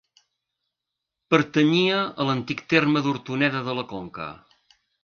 Pertanyia a l'antic terme d'Hortoneda de la Conca.